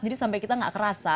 jadi sampai kita gak kerasa